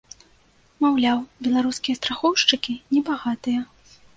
Маўляў, беларускія страхоўшчыкі небагатыя.